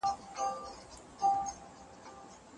عدالت تر ظلم غوره دی.